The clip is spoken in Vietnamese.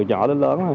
từ nhỏ đến lớn